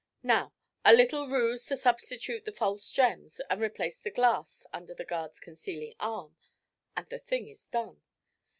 Now, a little ruse to substitute the false gems and replace the glass under the guard's concealing arm, and the thing is done.